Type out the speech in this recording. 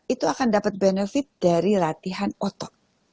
itu akan dapat benefit dari latihan otot